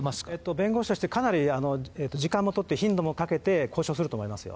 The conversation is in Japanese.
弁護士として、かなり時間も取って頻度もかけて交渉すると思いますよ。